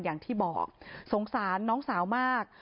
อย่างที่บอกสงสารน้องสาวมาก